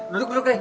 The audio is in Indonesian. duduk duduk rey